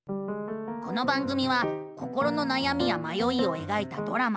この番組は心のなやみやまよいをえがいたドラマ。